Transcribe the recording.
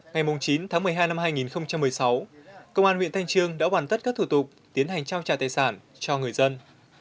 ngày chín tháng một mươi hai năm hai nghìn một mươi sáu công an huyện thanh trương đã hoàn tất các thủ tục tiến hành trao trả tài sản cho người dân